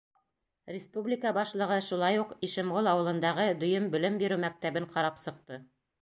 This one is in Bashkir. Республика башлығы шулай уҡ Ишемғол ауылындағы дөйөм белем биреү мәктәбен ҡарап сыҡты.